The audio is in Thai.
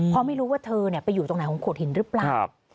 เพราะไม่รู้ว่าเธอไปอยู่ตรงไหนของโขดหินหรือเปล่า